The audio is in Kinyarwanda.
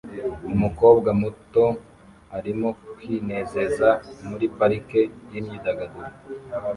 Umukobwa muto arimo kwinezeza muri parike yimyidagaduro